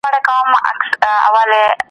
تر اوسه یوازې څلور یې لیدل شوي.